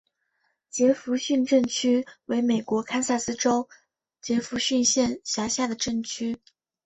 杰佛逊镇区为美国堪萨斯州杰佛逊县辖下的镇区。